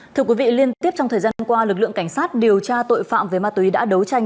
thưa quý vị liên tiếp trong thời gian qua lực lượng cảnh sát điều tra tội phạm về ma túy đã đấu tranh